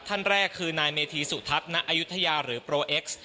ท่านแรกคือนายเมธีสุทัศนอายุทยาหรือโปรเอ็กซ์